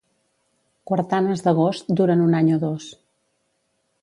Quartanes d'agost duren un any o dos.